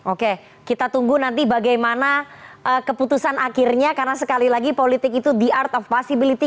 oke kita tunggu nanti bagaimana keputusan akhirnya karena sekali lagi politik itu the art of possibility